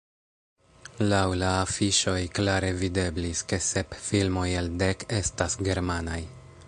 Laŭ la afiŝoj klare videblis, ke sep filmoj el dek estas germanaj.